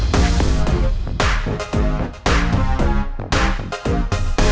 tapi gue gak tahu apa apa